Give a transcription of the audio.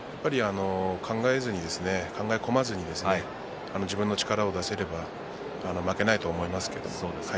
やっぱり考えずに考え込まずに、自分の力を出せれば負けないと思います。